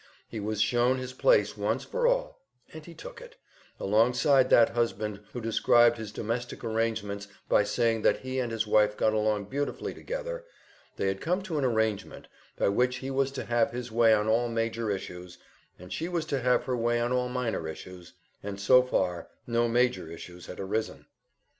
He was shown his place once for all, and he took it, alongside that husband who described his domestic arrangements by saying that he and his wife got along beautifully together, they had come to an arrangement by which he was to have his way on all major issues, and she was to have her way on all minor issues, and so far no major issues had arisen.